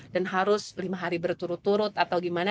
dan harus lima hari berturut turut atau gimana